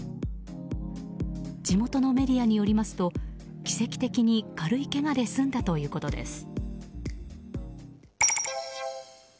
地元のメディアによりますと奇跡的に軽いけがで済んだということです。